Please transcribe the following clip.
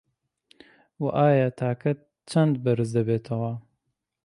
وه ئایا تاکەت چەندە بەرز دەبێتەوه